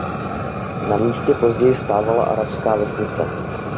Na místě později stávala arabská vesnice.